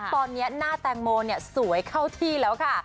ตอนนี้หน้าแตงโมสวยเข้าที่แล้วค่ะ